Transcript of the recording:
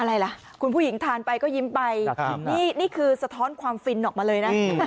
อะไรล่ะคุณผู้หญิงทานไปก็ยิ้มไปนี่คือสะท้อนความฟินออกมาเลยนะ